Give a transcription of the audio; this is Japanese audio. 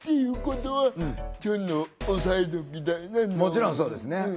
もちろんそうですね。